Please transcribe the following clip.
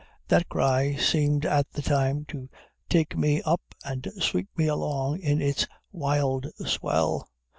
That cry seemed at the time to take me up and sweep me along in its wild swell.